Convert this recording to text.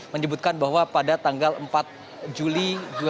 menyebutkan bahwa pada tanggal empat juli dua ribu dua puluh